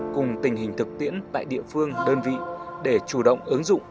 cùng tình hình thực tiễn tại địa phương đơn vị để chủ động ứng dụng